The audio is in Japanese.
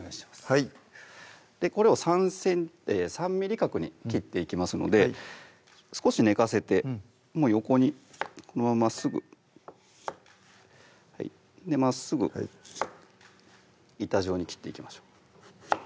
はいこれを３ｍｍ角に切っていきますので少し寝かせて横にこのまままっすぐまっすぐ板状に切っていきましょう